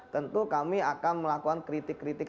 tentu kami akan melakukan kritik kritik